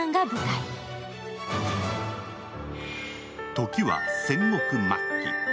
時は戦国末期。